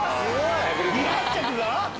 離発着が？